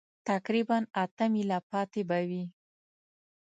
تقریباً اته مېله پاتې به وي.